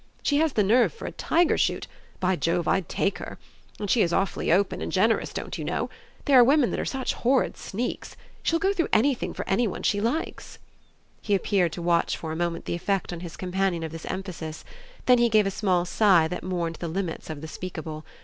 She has the nerve for a tiger shoot by Jove I'd TAKE her! And she is awfully open and generous, don't you know? there are women that are such horrid sneaks. She'll go through anything for any one she likes." He appeared to watch for a moment the effect on his companion of this emphasis; then he gave a small sigh that mourned the limits of the speakable.